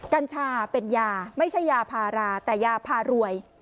กัญชาเป็นยาไม่ใช่ยาพาราแต่ยาพารวย